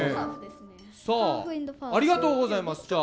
さあありがとうございます。